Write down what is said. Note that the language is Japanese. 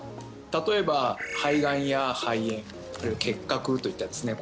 例えば肺がんや肺炎あるいは結核といったですね